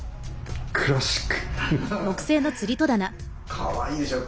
かわいいでしょう。